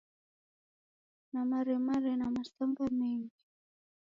Namaremare na masanga mengi